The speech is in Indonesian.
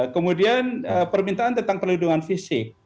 kemudian permintaan tentang perlindungan fisik